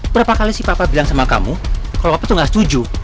berapa kali si papa bilang sama kamu kalau apa tuh gak setuju